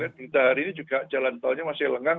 berita hari ini juga jalan tolnya masih lengang